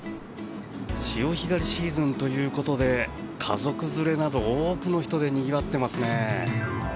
潮干狩りシーズンということで家族連れなど多くの人でにぎわっていますね。